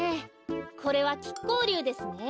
これはきっこうりゅうですね。